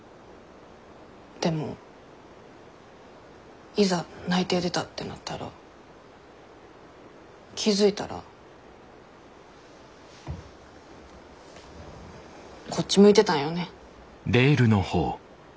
でもいざ内定出たってなったら気付いたらこっち向いてたんよね。